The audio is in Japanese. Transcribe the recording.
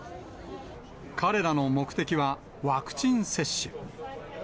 彼らの目的はワクチン接種。